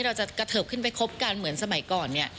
เราจะกระเทิบขึ้นไปคบกันเหมือนสมัยก่อนเนี่ย